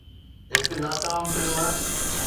هڪ ناڪام فلم